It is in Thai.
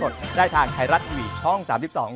โน้ท